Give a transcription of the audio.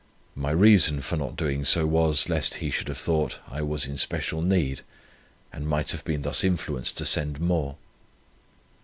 My reason for not doing so was, lest he should have thought I was in especial need, and might have been thus influenced to send more.